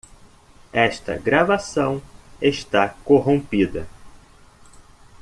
Esta gravação está corrompida.